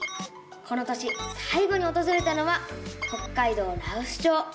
この年さい後におとずれたのは北海道羅臼町。